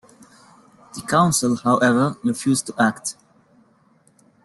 The Council, however, refused to act.